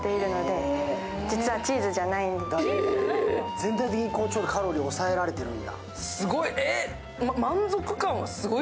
全体的にカロリー抑えられてるんだ。